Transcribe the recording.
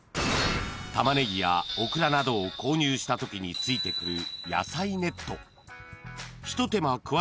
［タマネギやオクラなどを購入したときについてくる］